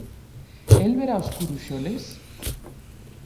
El verá os curuxoles?